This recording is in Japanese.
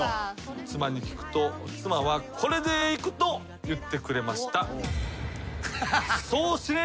妻に聞くと妻はこれでいくと言ってくれました。